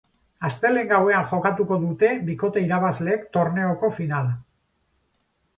Astelehen gauean jokatuko dute bikote irabazleek torneoko finala.